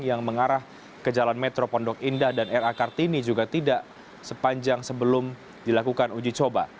yang mengarah ke jalan metro pondok indah dan ra kartini juga tidak sepanjang sebelum dilakukan uji coba